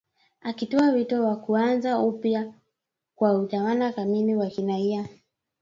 akitoa wito wa kuanza upya kwa utawala kamili wa kiraia